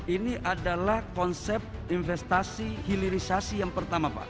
ini adalah konsep investasi hilirisasi yang pertama pak